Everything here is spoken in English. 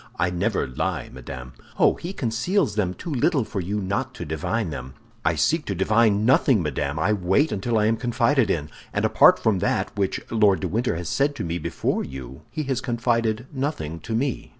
"I never lie, madame." "Oh, he conceals them too little for you not to divine them." "I seek to divine nothing, madame; I wait till I am confided in, and apart from that which Lord de Winter has said to me before you, he has confided nothing to me."